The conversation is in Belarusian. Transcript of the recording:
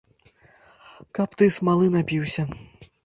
Каб ты смалы напіўся!